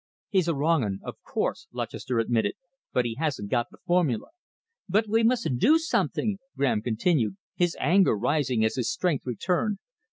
"He's a wrong 'un, of course," Lutchester admitted, "but he hasn't got the formula." "But we must do something!" Graham continued, his anger rising as his strength returned.